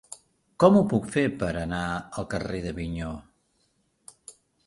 Com ho puc fer per anar al carrer d'Avinyó?